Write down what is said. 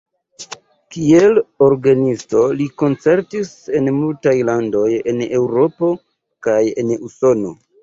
Kiel orgenisto li koncertis en multaj landoj en Eŭropo kaj en Usono.